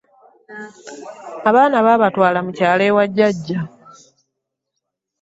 Abaana babatwala mu kyalo ewa jjajja.